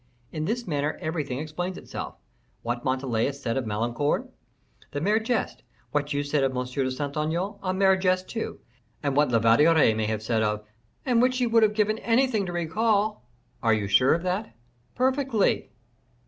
In this manner everything explains itself. What Montalais said of Malicorne, a mere jest; what you said of M. de Saint Aignan, a mere jest too; and what La Valliere might have said of " "And which she would have given anything to recall." "Are you sure of that?" "Perfectly."